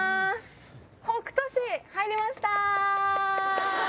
北杜市、入りました！